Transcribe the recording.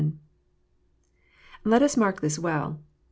Let us mark this well.